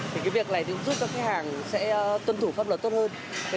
thì cái việc này thì cũng giúp cho khách hàng sẽ tuân thủ pháp luật tốt hơn